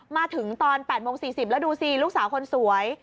มาถึงตอน๘โมง๔๐แล้วดูสิลูกสาวคนสวย